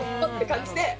って感じで。